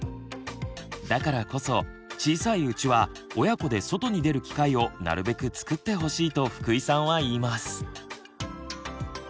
だからこそ小さいうちは親子で外に出る機会をなるべくつくってほしいと福井さんは言います。